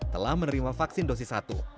telah menerima vaksin dosis satu